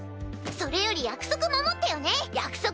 それより約束守ってよね約束！